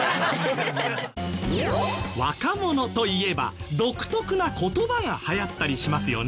若者といえば独特な言葉が流行ったりしますよね。